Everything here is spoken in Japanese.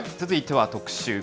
続いては、特集。